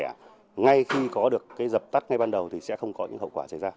và ngay khi có được cái dập tắt ngay ban đầu thì sẽ không có những hậu quả xảy ra